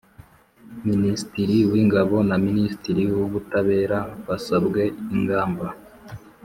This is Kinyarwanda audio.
Minisitiri w Ingabo na Minisitiri w Ubutabera basabwe ingamba